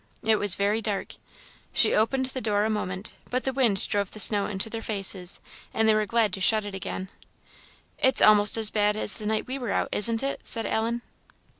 It was very dark. She opened the door a moment, but the wind drove the snow into their faces, and they were glad to shut it again. "It's almost as bad as the night we were out, isn't it?" said Ellen.